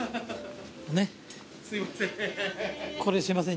これすいません